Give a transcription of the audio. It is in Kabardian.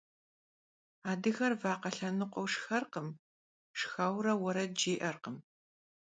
Adıger vakhe lhenıkhueu şşxerkhım, şşxeure vuered jji'erkhım.